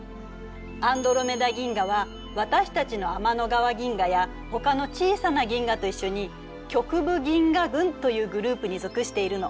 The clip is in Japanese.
アンドロメダ銀河は私たちの天の川銀河やほかの小さな銀河と一緒に局部銀河群というグループに属しているの。